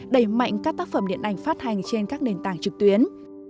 đẩy mạnh các tác phẩm điện ảnh phát hành trên các nền tảng trực tuyến